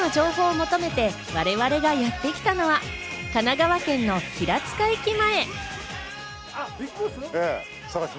ＢＩＧＢＯＳＳの情報を求めて、我々がやってきたのは神奈川県の平塚駅前。